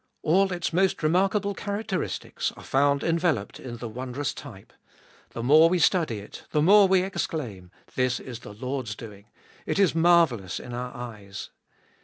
All its most remarkable characteristics are found enveloped in the wondrous type. The more we study it the more we exclaim : This is the Lord's doing ; it is marvellous in our eyes.